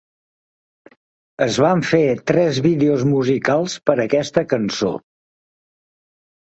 Es van fer tres vídeos musicals per a aquesta cançó.